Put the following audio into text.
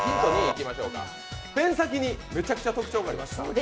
ペン先にめちゃくちゃ特徴があります。